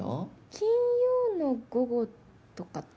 金曜の午後とかって。